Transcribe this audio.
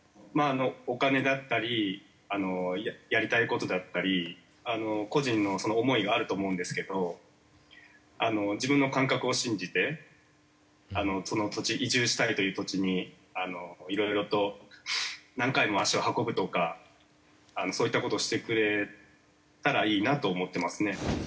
お金だったりやりたい事だったり個人の思いがあると思うんですけど自分の感覚を信じてその土地移住したいという土地にいろいろと何回も足を運ぶとかそういった事をしてくれたらいいなと思ってますね。